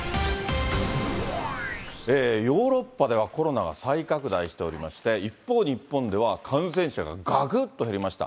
ヨーロッパでは、コロナが再拡大しておりまして、一方、日本では感染者ががくっと減りました。